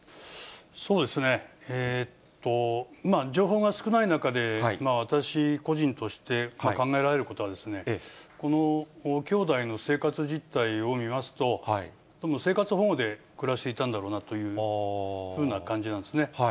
そうですね、情報が少ない中で、私個人として考えられることはですね、このきょうだいの生活実態を見ますと、生活保護で暮らしていたんだろうなというふうな感じなんですね。